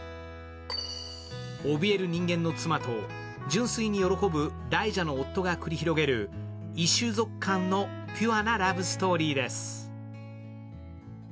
おびえる人間の妻と、純粋に喜ぶ大蛇の夫が繰り広げる、異種族間のピュアなラブストーリーです。